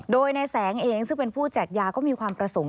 โดยในแสงเองซึ่งเป็นผู้แจกยาก็มีความประสงค์